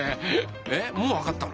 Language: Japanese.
えっもうわかったの？